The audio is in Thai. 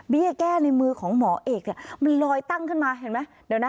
เบี้ยแก้ในมือของหมอเอกเนี่ยมันลอยตั้งขึ้นมาเห็นไหม